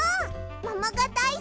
ももがだいすき！